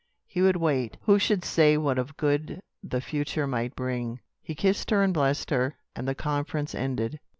He would wait. Who should say what of good the future might bring? He kissed her and blessed her, and the conference ended.